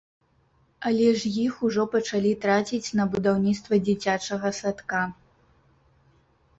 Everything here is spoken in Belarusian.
Але ж іх ужо пачалі траціць на будаўніцтва дзіцячага садка!